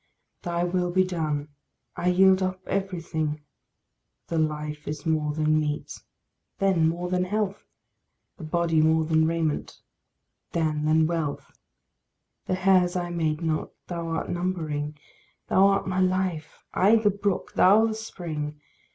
Thy will be done. I yield up everything. "The life is more than meat" then more than health; "The body more than raiment" then than wealth; The hairs I made not, thou art numbering. Thou art my life I the brook, thou the spring.